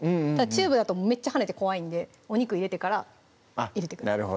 チューブだとめっちゃはねて怖いんでお肉入れてから入れてください